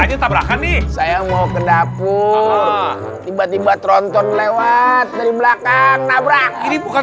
mabrani saya mau ke dapur tiba tiba tronton lewat belakang nabrak ini bukan